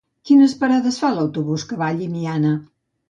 Quines parades fa l'autobús que va a Llimiana?